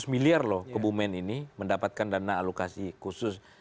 seratus miliar loh kebumen ini mendapatkan dana alokasi khusus